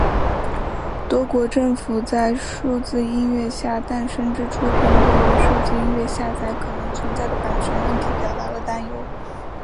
多国政府在数字音乐下载诞生之初便对于数字音乐下载可能存在的版权问题表达了担忧。